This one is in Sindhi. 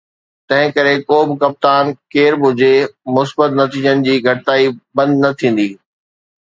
تنهن ڪري ڪو به ڪپتان ڪير به هجي، مثبت نتيجن جي گهڻائي بند نه ٿيندي